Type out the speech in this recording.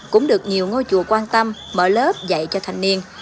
cũng được nhiều ngôi chùa quan tâm mở lớp dạy cho thanh niên